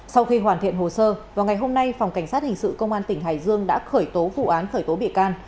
sau khi hoàn thiện hồ sơ vào ngày hôm nay phòng cảnh sát hình sự công an tỉnh hải dương đã khởi tố vụ án khởi tố bị can